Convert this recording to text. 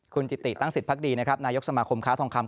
คุณจิติตั้งสิทธภักดีนะครับนายกสมาคมค้าทองคำ